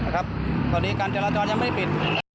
ครับตอนนี้การเจ้ารัดจรยังไม่ปิด